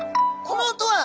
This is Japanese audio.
この音は！